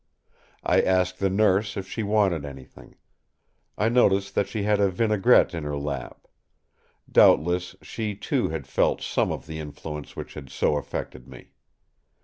I asked the Nurse if she wanted anything. I noticed that she had a vinaigrette in her lap. Doubtless she, too, had felt some of the influence which had so affected me.